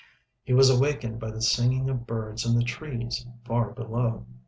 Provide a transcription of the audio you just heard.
. He was awakened by the singing of birds in the trees far below.